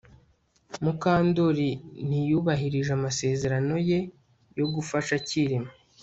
Mukandoli ntiyubahirije amasezerano ye yo gufasha Kirima